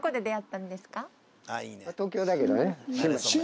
東京だけどね。